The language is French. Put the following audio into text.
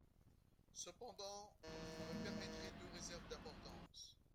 Cependant, vous me permettrez deux réserves d’importance.